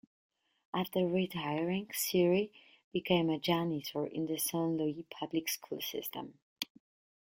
After retiring, Seerey became a janitor in the Saint Louis public school system.